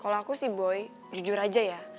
kalau aku sih boy jujur aja ya